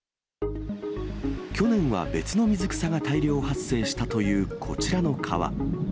去年は別の水草が大量発生したというこちらの川。